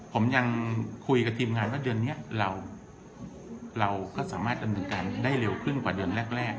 ผมยังคุยกับทีมงานว่าเดือนนี้เราก็สามารถดำเนินการได้เร็วขึ้นกว่าเดือนแรก